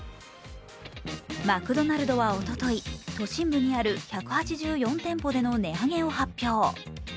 マクドナルドはおととい都心部にある１８４店舗での値上げを発表。